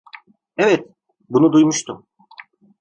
Evet, bunu duymuştum.